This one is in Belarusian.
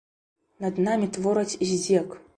Над намі твораць здзек.